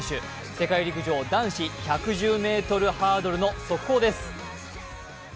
世界陸上男子１１０ｍハードルの速報です。